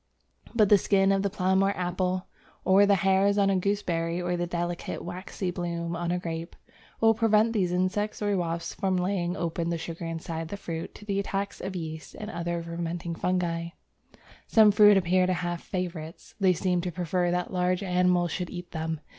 But the skin of the plum or apple, or the hairs on a gooseberry, or the delicate, waxy bloom on a grape, will prevent these insects or wasps from laying open the sugar inside the fruit to the attacks of yeasts and other fermenting fungi. Some fruits appear to have "favourites"; they seem to prefer that large animals should eat them.